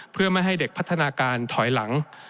เพื่อไม่ให้เด็กพัฒนาการถอยหลัง